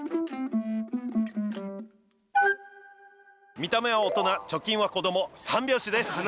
見た目は大人、貯金は子供三拍子です！